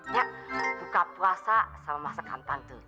ya buka puasa sama masakan tante